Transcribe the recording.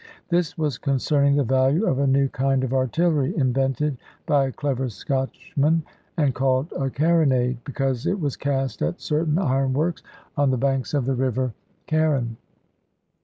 This was concerning the value of a new kind of artillery invented by a clever Scotchman, and called a "Carronade," because it was cast at certain iron works on the banks of the river Carron.